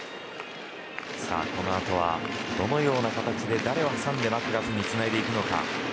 このあとはどのような形で、誰を挟んでマクガフにつないでいくのか。